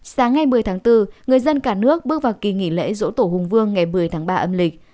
sáng ngày một mươi tháng bốn người dân cả nước bước vào kỳ nghỉ lễ dỗ tổ hùng vương ngày một mươi tháng ba âm lịch